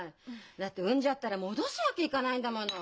だって産んじゃったら戻すわけいかないんだもの。